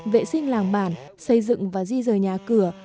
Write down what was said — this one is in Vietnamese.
vệ sinh làng bản xây dựng và di rời nhà cửa